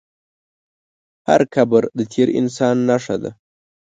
هر قبر د تېر انسان نښه ده.